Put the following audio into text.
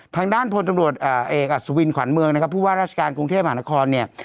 ทางด้านพลตำรวจเอกอัศวินขวัญเมืองนะครับผู้ว่าราชการกรุงเทพมหานครเนี่ย